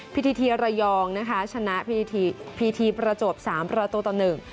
พิธีทีระยองนะคะชนะพีทีประจวบสามประตูต่อหนึ่ง